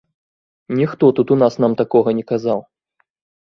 Ніхто тут у нас нам такога не казаў.